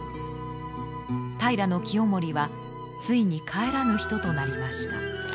平清盛はついに帰らぬ人となりました。